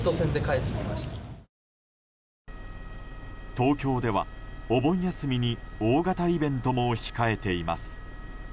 東京では、お盆休みに大型イベントも控えています。